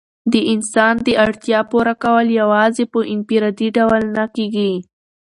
د انسان د اړتیا پوره کول یوازي په انفرادي ډول نه کيږي.